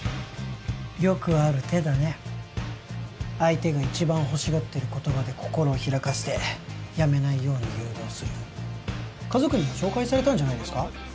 よくある手だね相手が一番欲しがってる言葉で心を開かせてやめないように誘導する家族にも紹介されたんじゃないですか？